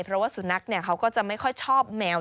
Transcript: เพราะว่าสุนัขเขาก็จะไม่ค่อยชอบแมว